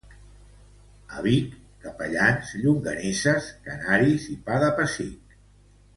A Vic: capellans, llonganisses, canaris i pa de pessic.